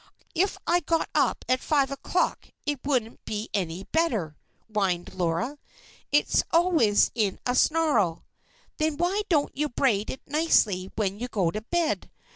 "If I got up at five o'clock it wouldn't be any better," whined Linda. "It's always in a snarl!" "Then why don't you braid it nicely when you go to bed?